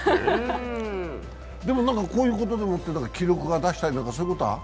でもこういうことでもって記録を出したりという、そういうことは？